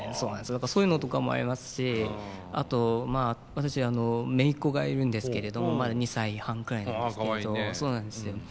やっぱそういうのとかもありますしあと私めいっ子がいるんですけれどもまだ２歳半くらいなんですけれど。